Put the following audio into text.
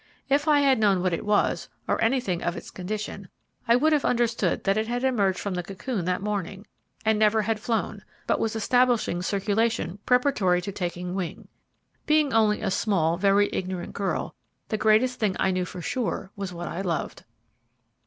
If I had known what it was, or anything of its condition, I would have understood that it had emerged from the cocoon that morning, and never had flown, but was establishing circulation preparatory to taking wing. Being only a small, very ignorant girl, the greatest thing I knew for sure was what I loved.